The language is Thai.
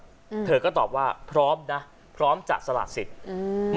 อืมเธอก็ตอบว่าพร้อมนะพร้อมจะสละสิทธิ์อืม